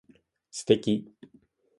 素敵